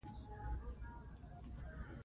مورغاب سیند د افغانستان د ملي هویت نښه ده.